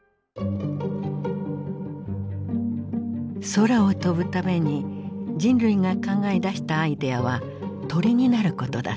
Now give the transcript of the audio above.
空を飛ぶために人類が考え出したアイデアは鳥になることだった。